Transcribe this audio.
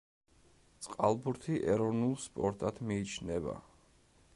წყალბურთი ეროვნულ სპორტად მიიჩნევა.